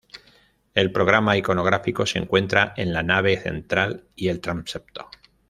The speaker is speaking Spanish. El programa iconográfico se encuentra en la nave central y el transepto.